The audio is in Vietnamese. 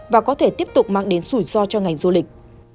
và có thể tiếp tục mang đến rủi ro cho ngành du lịch